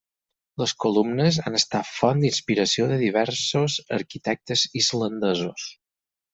Les columnes han estat font d'inspiració de diversos arquitectes islandesos.